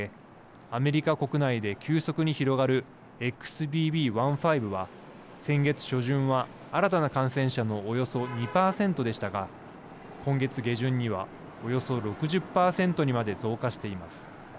アメリカ国内で急速に広がるＸＢＢ．１．５は先月初旬は新たな感染者のおよそ２％でしたが今月下旬にはおよそ６０％にまで増加しています。